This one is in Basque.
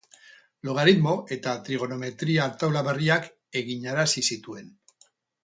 Logaritmo- eta trigonometria-taula berriak eginarazi zituen.